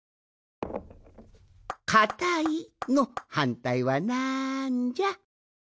「かたい」のはんたいはなんじゃ？